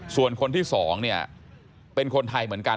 ส่วนคนที่๒เนี่ยเป็นคนไทยเหมือนกัน